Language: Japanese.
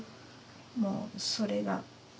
もうそれが。